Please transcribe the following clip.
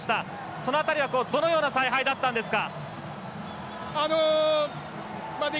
その辺りはどのような采配だったんですか？